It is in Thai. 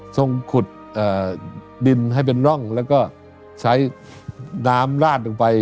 ส่งขุดดินให้เป็นร่องแล้วก็ใช้น้ำลาดลงไป